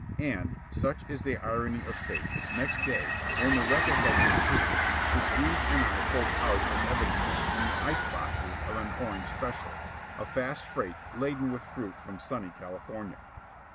And, such is the irony of fate, next day, when the wreck ahead was cleared, the Swede and I pulled out of Evanston in the ice boxes of an "orange special," a fast freight laden with fruit from sunny California.